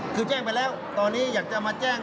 คือแจ้งไปแล้วตอนนี้อยากจะมาแจ้ง